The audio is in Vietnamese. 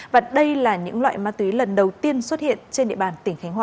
và đây là những loại ma túy lần đầu tiên xuất hiện trên địa bàn tỉnh khánh hòa